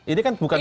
ini kan bukan